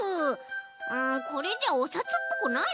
これじゃあおさつっぽくないね。